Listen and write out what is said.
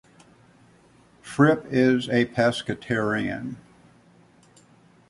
Fripp is a pescetarian.